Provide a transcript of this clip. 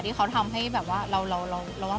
ที่เขาทำให้แบบว่าเราว่ามันน่ารักมาก